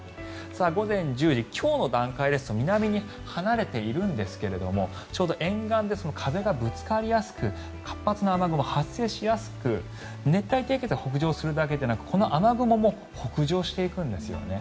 午前１０時今日の段階ですと南に離れているんですがちょうど沿岸で風がぶつかりやすく活発な雨雲が発生しやすく熱帯低気圧が北上するだけでなくこの雨雲も北上していくんですよね。